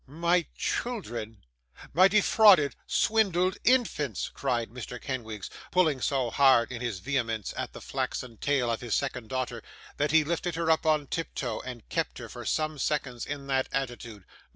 'My children, my defrauded, swindled infants!' cried Mr. Kenwigs, pulling so hard, in his vehemence, at the flaxen tail of his second daughter, that he lifted her up on tiptoe, and kept her, for some seconds, in that attitude.